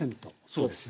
そうです。